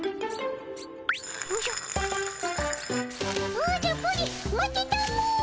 おじゃプリン待ってたも。